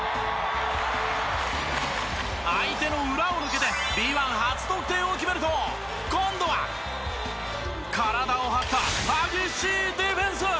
相手の裏を抜けてＢ１初得点を決めると今度は体を張った激しいディフェンス。